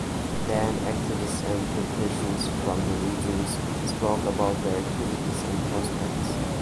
Then activists and politicians from the regions spoke about their activities and prospects.